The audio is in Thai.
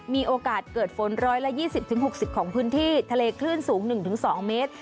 มีโอกาสเกิดฝน๑๒๐๖๐ของพื้นที่ทะเลคลื่นสูง๑๒เมตร